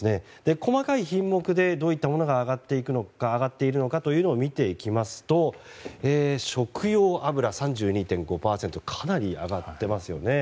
細かい品目で、どういったものが上がっているのかを見ていきますと食用油、３２．５％とかなり上がっていますね。